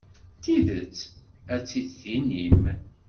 Tidet, ad tt-id-tinim.